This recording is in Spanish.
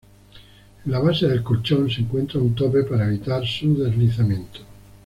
En la base del colchón se encuentra un tope para evitar su deslizamiento.